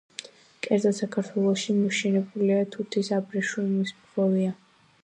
კერძოდ საქართველოში, მოშენებულია თუთის აბრეშუმხვევია.